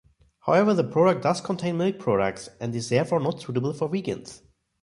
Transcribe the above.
However, the product does contain milk products and is therefore not suitable for vegans.